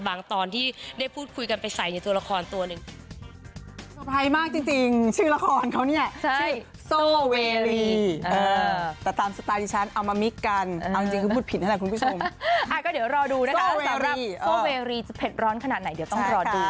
ตอนที่ได้พูดคุยกันไปใส่ในตัวละครตัวหนึ่ง